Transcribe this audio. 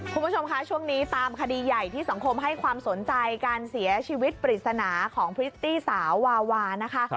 คุณผู้ชมคะช่วงนี้ตามคดีใหญ่ที่สังคมให้ความสนใจการเสียชีวิตปริศนาของพริตตี้สาววาวานะคะ